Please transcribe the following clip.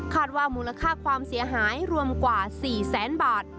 คาดว่ามูลค่าความเสียหายรวมกว่า๔๐๐๐๐๐บาท